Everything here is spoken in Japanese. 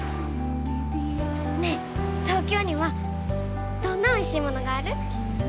ねえ東京にはどんなおいしいものがある？